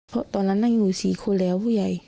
เพราะตอนนั้นนั่งอยู่๔คนแล้วผู้ใหญ่